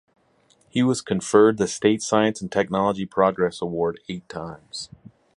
He was conferred the State Science and Technology Progress Award eight times.